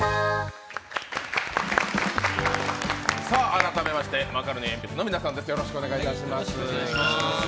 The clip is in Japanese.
改めましてマカロニえんぴつの皆さんです。